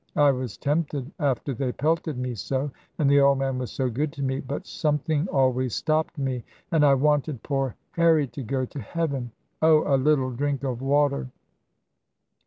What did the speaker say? I was tempted after they pelted me so, and the old man was so good to me; but something always stopped me, and I wanted poor Harry to go to Heaven Oh, a little drink of water!"